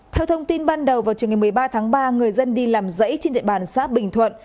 theo thông tin ban đầu vào trường ngày một mươi ba tháng ba người dân đi làm dãy trên địa bàn xã bình thuận